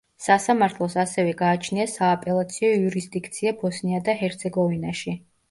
სასამართლოს ასევე გააჩნია სააპელაციო იურისდიქცია ბოსნია და ჰერცეგოვინაში.